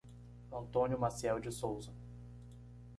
Antônio Maciel de Souza